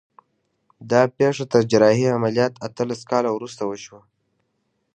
دا پېښه تر جراحي عملیات اتلس کاله وروسته وشوه